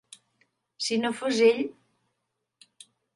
Si no fos ell.